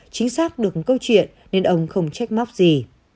chính xác được câu chuyện nên ông không trách móc gì